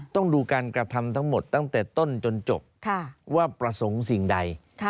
ต้องดูการกระทำทั้งหมดตั้งแต่ต้นจนจบว่าประสงค์สิ่งใด